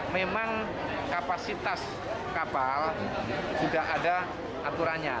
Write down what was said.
memang kapasitas kapal sudah ada aturannya